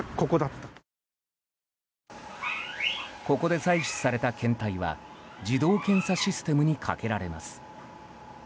ここで採取された検体は自動検査システムにかけられます。